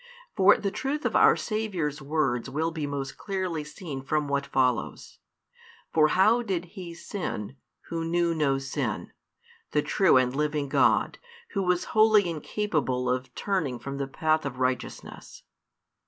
For the truth of our Saviour's words will be most clearly seen from what follows. For how did He sin, Who knew no sin, the true and living God, Who was wholly incapable of turning from the path of righteousness?